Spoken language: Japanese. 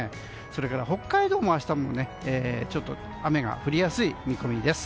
それから北海道も明日、雨が降りやすい見込みです。